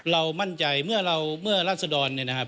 เรามั่นใจเมื่อเราเมื่อราศดรเนี่ยนะครับ